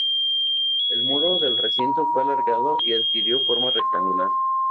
El muro del recinto fue alargado y adquirió forma rectangular.